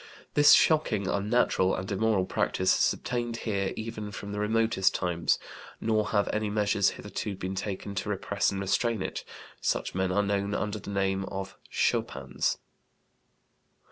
This shocking, unnatural, and immoral practice has obtained here even from the remotest times; nor have any measures hitherto been taken to repress and restrain it; such men are known under the name of schopans."